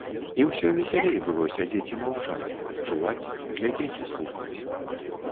І ўсё весялей было сядзець і маўчаць, адчуваць, глядзець і слухаць.